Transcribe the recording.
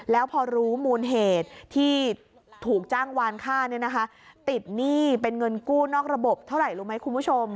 แล้วพอรู้มูลเหตุที่ถูกจ้างวานค่าติดหนี้เป็นเงินกู้นอกระบบเท่าไหร่รู้ไหมคุณผู้ชม